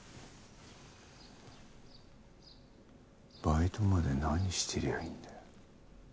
バイトまで何してりゃいいんだ。